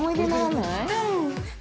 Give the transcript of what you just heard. ◆うん。